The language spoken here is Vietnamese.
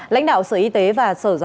lãnh đạo sở y tế và sở doanh nghiệp